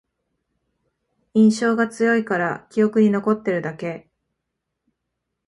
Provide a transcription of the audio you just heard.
印象が強いから記憶に残ってるだけ